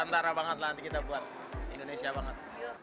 tentara banget lah nanti kita buat indonesia banget